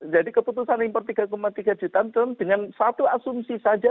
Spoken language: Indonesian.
jadi keputusan impor tiga tiga juta ton dengan satu asumsi saja